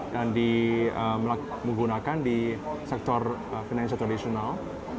dan digunakan di sektor finansial